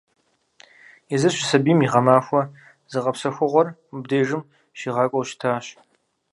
Езыр щысабийм и гъэмахуэ зыгъэпсэхугъуэр мыбдежым щигъакӀуэу щытащ.